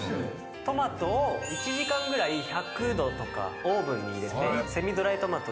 トマトを１時間ぐらい１００℃とかオーブンに入れてセミドライトマトにするんですけど。